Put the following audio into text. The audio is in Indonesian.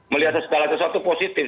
melihat segala sesuatu positif